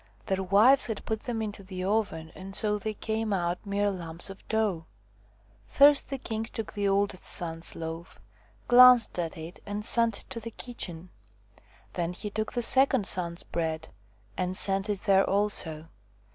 Their wives had put them into the oven, and so they came out mere lumps of dough. First the king took the oldest son's loaf, glanced at it, and sent it to the kitchen ; then he took the second son's bread and sent it there also.